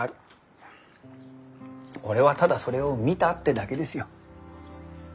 俺はただそれを見たってだけですよ。